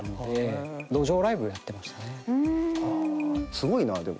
すごいなでも。